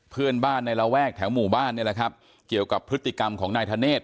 เพื่อนบ้านในระแวกแถวหมู่บ้านนี่แหละครับเกี่ยวกับพฤติกรรมของนายธเนธ